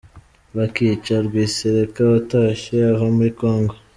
Bakica Rwisereka watashye ava muri Congo